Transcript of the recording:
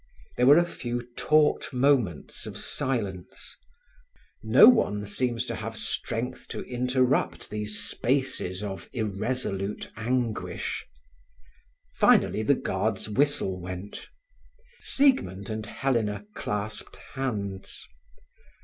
There were a few taut moments of silence. No one seems to have strength to interrupt these spaces of irresolute anguish. Finally, the guard's whistle went. Siegmund and Helena clasped hands.